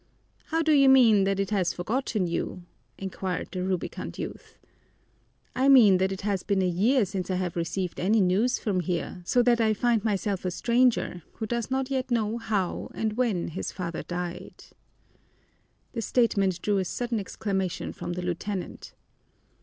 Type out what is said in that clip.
"How do you mean that it has forgotten you?" inquired the rubicund youth. "I mean that it has been a year since I have received any news from here, so that I find myself a stranger who does not yet know how and when his father died." This statement drew a sudden exclamation from the lieutenant.